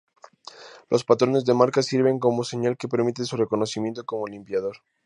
Los patrones de marcas sirven como señal que permite su reconocimiento como limpiador.